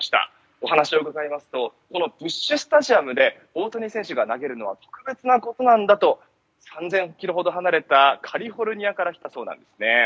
お話を伺いますとこのブッシュ・スタジアムで大谷選手が投げるのは特別なことなんだと３０００ｋｍほど離れたカリフォルニアから来たそうです。